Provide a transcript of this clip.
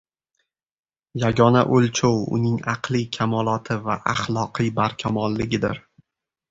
yagona o‘lchov, uning aqliy kamoloti va axloqiy barkamolligidir.